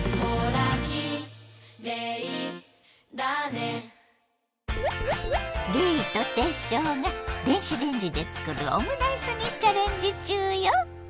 レイとテッショウが電子レンジで作るオムライスにチャレンジ中よ！